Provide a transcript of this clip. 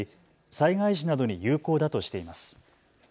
災害時などに有効だとしています。